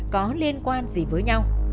có liên quan gì với nhau